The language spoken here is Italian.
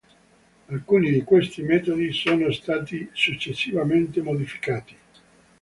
Alcuni di questi metodi sono stati successivamente modificati.